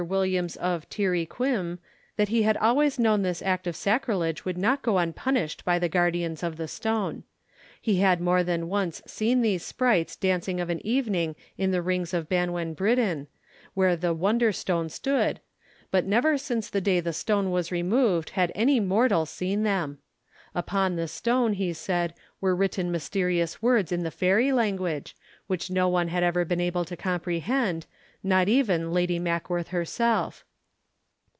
Williams of Tir y Cwm, that he had always known this act of sacrilege would not go unpunished by the guardians of the stone. He had more than once seen these sprites dancing of an evening in the rings of Banwan Bryddin, where the 'wonder stone' stood, but never since the day the stone was removed had any mortal seen them. Upon the stone, he said, were written mysterious words in the fairy language, which no one had ever been able to comprehend, not even Lady Mackworth herself.